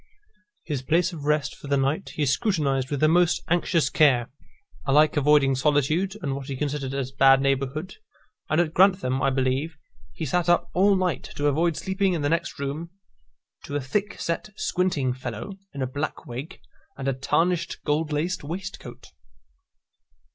His place of rest for the night he scrutinised with the most anxious care, alike avoiding solitude, and what he considered as bad neighbourhood; and at Grantham, I believe, he sate up all night to avoid sleeping in the next room to a thick set squinting fellow, in a black wig, and a tarnished gold laced waistcoat.